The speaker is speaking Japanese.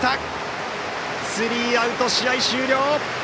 スリーアウト、試合終了。